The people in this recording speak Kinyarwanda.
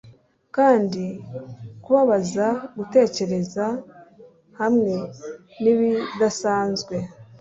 Kandi kubabaza gutekereza hamwe nibidasanzwe